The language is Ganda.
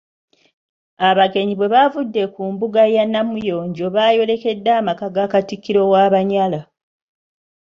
Abagenyi bwe baavudde ku mbuga ya Namuyonjo baayolekedde amaka ga Katikkiro w'Abanyala.